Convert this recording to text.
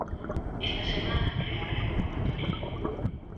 Esta semana, reabre a convocatoria.